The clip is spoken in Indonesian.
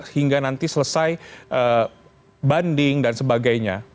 hingga nanti selesai banding dan sebagainya